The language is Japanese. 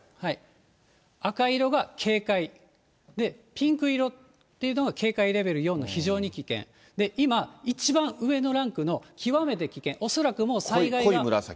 赤色が警戒、ピンク色っていうのが警戒レベル４の非常に危険、今、一番上のランクの極めて危険、濃い紫。